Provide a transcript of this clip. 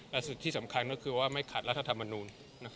และสิ่งที่สำคัญก็คือว่าไม่ขัดรัฐธรรมนูล